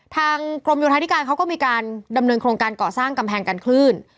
ทางกรมโยธาธิการเขาก็มีการดำเนินโครงการก่อสร้างกำแพงกันคลื่น